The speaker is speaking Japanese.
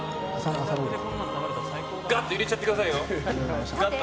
ガッと入れちゃってください。